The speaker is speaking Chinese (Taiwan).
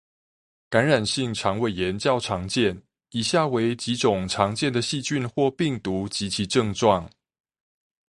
感染性腸胃炎較常見，以下為幾種常見的細菌或病毒及其症狀。